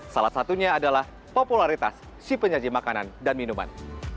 salah satunya adalah popularitas si penyaji makanan dan minuman